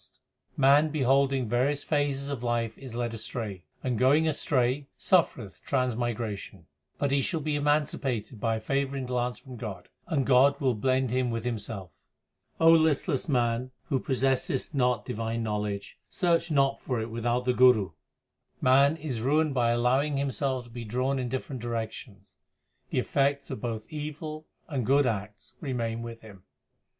342 THE SIKH RELIGION Man beholding various phases of life is led astray, and going astray suffereth transmigration ; But he shall be emancipated by a favouring glance from God, and God will blend him with Himself. listless man who possessest not divine knowledge, search not for it without the Guru. Man is ruined by allowing himself to be drawn in different directions ; the effects of both evil and good acts remain with him.